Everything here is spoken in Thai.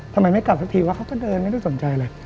ทำไมไม่กลับสักทีว่าเขาก็เดินไม่ได้สนใจเลย